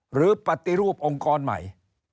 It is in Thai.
หรือปฏิรูปองค์กรใหม่